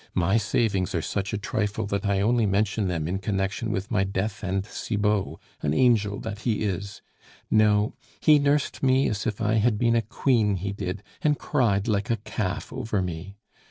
My savings are such a trifle, that I only mention them in connection with my death and Cibot, an angel that he is! No. He nursed me as if I had been a queen, he did, and cried like a calf over me!...